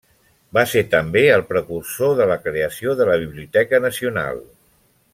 Va ser també el precursor de la creació de la Biblioteca Nacional.